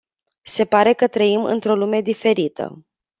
Se pare că trăim într-o lume diferită.